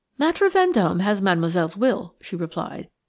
"Maître Vendôme has Mademoiselle's will," she replied.